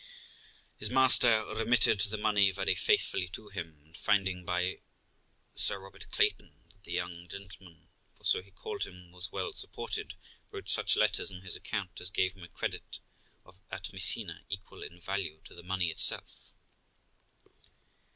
His master remitted the money very faithfully to him ; and finding, by Sir Robert Clayton, that the young gentleman for so he called him was well supported, wrote such letters on his account as gave him a credit at Messina equal in value to the money itself.